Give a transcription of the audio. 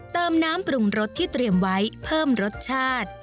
เติมน้ำปรุงรสที่เตรียมไว้เพิ่มรสชาติ